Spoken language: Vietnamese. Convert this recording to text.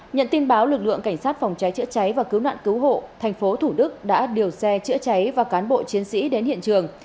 nhận tin báo lực lượng cảnh sát phòng cháy chữa cháy và cứu nạn cứu hộ tp thủ đức đã điều xe chữa cháy và cán bộ chiến sĩ đến hiện trường